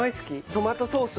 トマトソース。